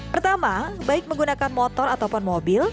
pertama baik menggunakan motor ataupun mobil